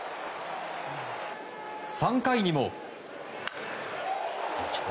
３回にも。